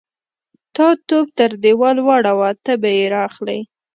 _تا توپ تر دېوال واړاوه، ته به يې را اخلې.